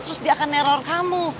terus dia akan neror kamu